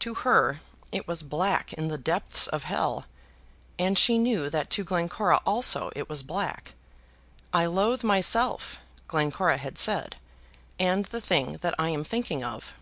To her it was black in the depths of hell; and she knew that to Glencora also it was black. "I loathe myself," Glencora had said, "and the thing that I am thinking of."